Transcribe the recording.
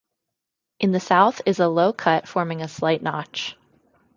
In the south is a low cut forming a slight notch.